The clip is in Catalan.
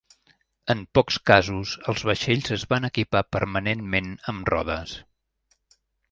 En pocs casos, els vaixells es van equipar permanentment amb rodes.